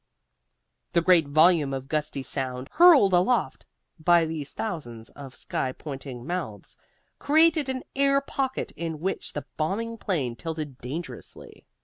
The great volume of gusty sound, hurled aloft by these thousands of sky pointing mouths, created an air pocket in which the bombing plane tilted dangerously.